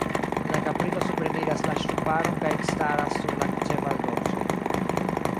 La kaprino supreniras la ŝtuparon kaj ekstaras sur la ĉevaldorso.